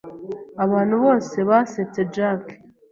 Abantu bose basetse Jack.